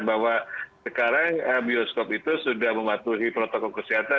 bahwa sekarang bioskop itu sudah mematuhi protokol kesehatan